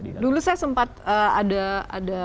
dulu saya sempat ada